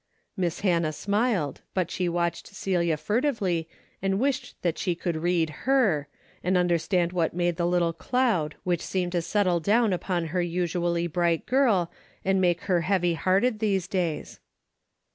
Miss Hannah smiled, but she watched Celia furtively and wished that she could read her, and understand what made the little cloud which seemed to settle down upon her usually bright girl and make her heavy hearted these da3"s.